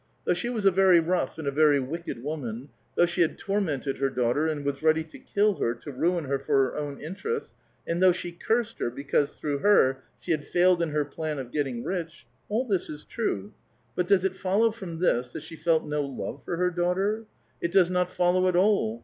Though she was a very rough and a ver^' wicked woman, though she had tormented her daughter and was ready to kill her, to ruin her for her own interests, and though she cursed her, because, thmugh her, she liad failed in her plan of getting rich, — all this is true ; but does it follow from this that she felt no love for lier daughter? It does not follow at all.